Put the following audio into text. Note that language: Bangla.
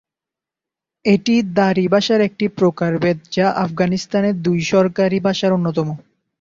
এটি দারি ভাষার একটি প্রকারভেদ, যা আফগানিস্তানের দুটি সরকারি ভাষার অন্যতম।